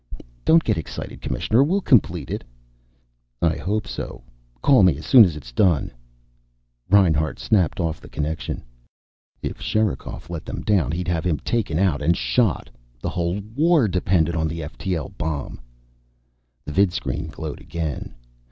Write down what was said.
"Don't get excited, Commissioner. We'll complete it." "I hope so. Call me as soon as it's done." Reinhart snapped off the connection. If Sherikov let them down he'd have him taken out and shot. The whole war depended on the ftl bomb. The vidscreen glowed again.